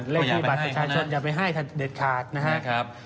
เลขที่บัตรประชาชนอย่าไปให้เด็ดขาดนะครับ